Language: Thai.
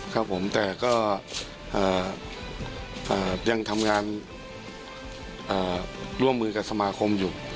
ครับผมแต่ก็ยังทำงานร่วมมือกับสมาคมอยู่